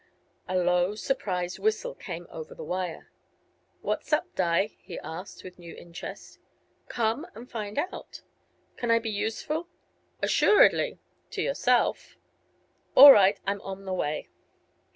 A low, surprised whistle came over the wire. "What's up, Di?" he asked, with new interest. "Come and find out." "Can I be useful?" "Assuredly; to yourself." "All right; I'm on the way."